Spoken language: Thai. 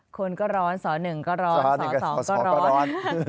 คนก็ร้อนส๑ก็ร้อนสอสองก็ร้อน